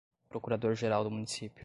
procurador-geral do Município